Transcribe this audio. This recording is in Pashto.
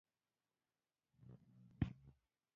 ما ورته وویل: هو، په هغه صورت کې که ځینې وغوښتل شي.